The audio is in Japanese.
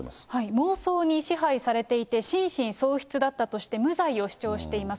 妄想に支配されていて、心神喪失だったとして無罪を主張しています。